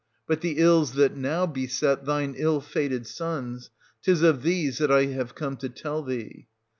But the ills that now beset thine ill fated sons, — 'tis of these that I have come to tell thee.